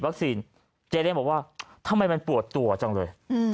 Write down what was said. วัคซีนเจ๊เล้งบอกว่าทำไมมันปวดตัวจังเลยอืม